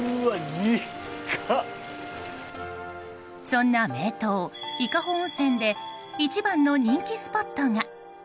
そんな名湯・伊香保温泉で一番の人気スポットが。